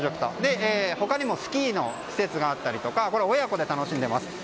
他にもスキーの施設があったり親子で楽しんでいます。